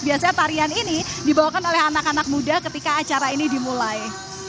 biasanya tarian ini dibawakan oleh anak anak muda ketika acara ini dimulai